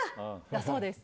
だそうです。